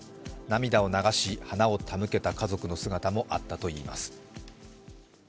涙を流し花を手向けた家族の姿もあったといいます。